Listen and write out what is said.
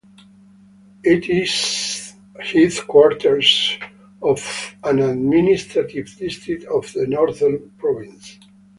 It is headquarters of an administrative district of the Northern Province.